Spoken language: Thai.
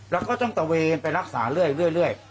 แล้วก็ต้องตะเวนไปรักษาเรื่อย